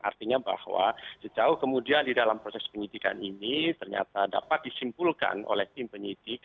artinya bahwa sejauh kemudian di dalam proses penyidikan ini ternyata dapat disimpulkan oleh tim penyidik